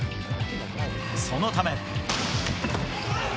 そのため。